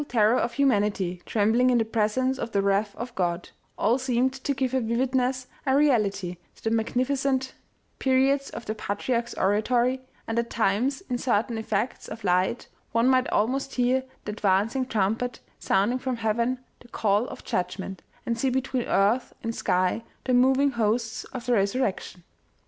terror of humanity trembling in the presence of the wrath of God all seemed to give a vividness, a reality, to the magnificent periods of the patriarch's oratory, and at times, in certain effects of light, one might almost hear the ad vancing trumpet sounding from heaven the call of judg ment, and see between earth and sky the moving hosts of the resurrection.